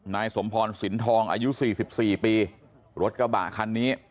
นายสมพรณ์สินทองอายุสี่สิบสี่ปีรถกระบะคันนี้